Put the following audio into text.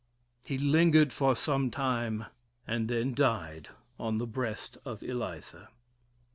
He lingered for sometime, and then died on the breast of Eliza.